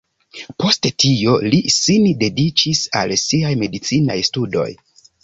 Poste tio li sin dediĉis al siaj medicinaj studoj.